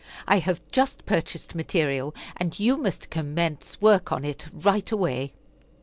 I have just purchased material, and you must commence work on it right away."